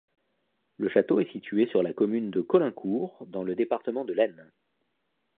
Le château est situé sur la commune de Caulaincourt, dans le département de l'Aisne.